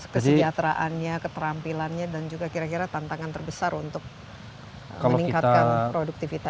kesejahteraannya keterampilannya dan juga kira kira tantangan terbesar untuk meningkatkan produktivitas